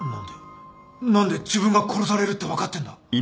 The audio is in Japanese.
何で自分が殺されるって分かってんだ